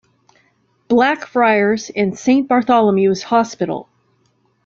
Blackfriars and Saint Bartholomew's Hospital.